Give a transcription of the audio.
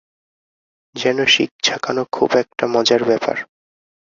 যেন শিক ঝাঁকানো খুব-একটা মজার ব্যাপার।